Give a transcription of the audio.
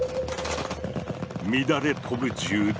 乱れ飛ぶ銃弾。